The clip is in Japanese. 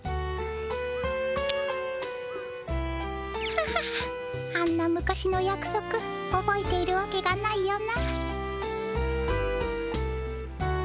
ハハハあんな昔のやくそくおぼえているわけがないよな。